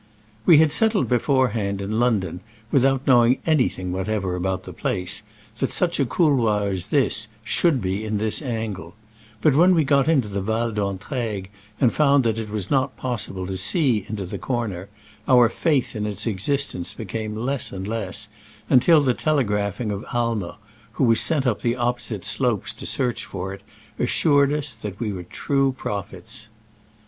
We had settled beforehand in Lon don, without knowing anything whatever about the place, that such a couloir as this should be in this angle ; but when we got into the Val d' Entraigues, and found that it was not possible to see into the comer, our faith in its existence be came less and less, until the telegraph ing of Aimer, who was sent up the oppo site slopes to search for it, assured us that we were true prophets.